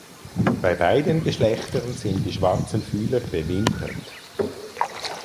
Bei beiden Geschlechtern sind die schwarzen Fühler bewimpert.